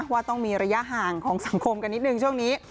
ว่าต้องมีระยะห่างของสังคมกันนิดนึงช่วงนี้